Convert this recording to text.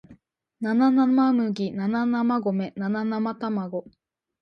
七生麦七生米七生卵